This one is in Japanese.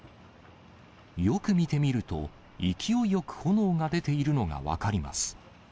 よく見てみると、勢いよく炎が出ているのが分かります。